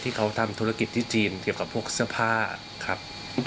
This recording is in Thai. ทำธุรกิจที่จีนเกี่ยวกับพวกเสื้อผ้าครับ